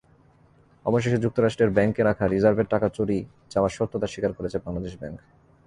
অবশেষে যুক্তরাষ্ট্রের ব্যাংকে রাখা রিজার্ভের টাকা চুরি যাওয়ার সত্যতা স্বীকার করেছে বাংলাদেশ ব্যাংক।